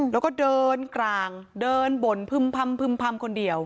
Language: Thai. แล้วก็เดินกลางเดินบ่นพึ่มพำคนเดียว